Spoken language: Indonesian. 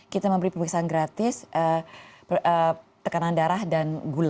kita memberi pemeriksaan gratis tekanan darah dan gula